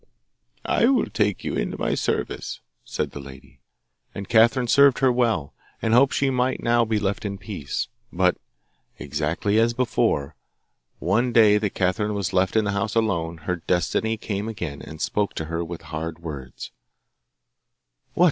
'I will take you into my service,' said the lady; and Catherine served her well, and hoped she might now be left in peace. But, exactly as before, one day that Catherine was left in the house alone her Destiny came again and spoke to her with hard words: 'What!